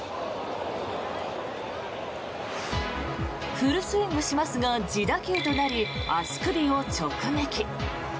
フルスイングしますが自打球となり足首を直撃。